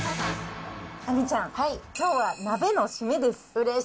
亜美ちゃん、きょうは鍋の締めです。